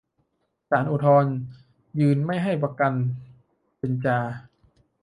ศาลอุทธรณ์ยืนไม่ให้ประกัน 'เบนจา'